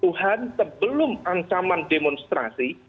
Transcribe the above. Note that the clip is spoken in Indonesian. tuhan sebelum ancaman demonstrasi